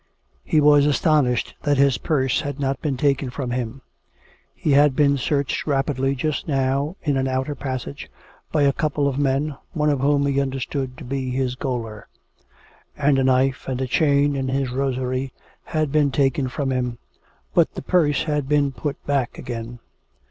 He was astonished that his purse had not been taken from him. He had been searched rapidly just now, in an outer passage, by a couple of men, one of whom he understood to be his gaoler; and a knife and a chain and his rosary had been taken from him. But the purse had been put back again.